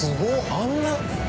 あんな。